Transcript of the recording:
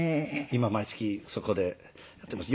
今毎月そこでやってます。